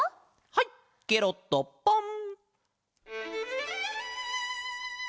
はいケロッとポン！